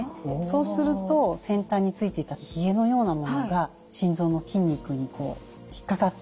そうすると先端についていたヒゲのようなものが心臓の筋肉に引っ掛かって固定されます。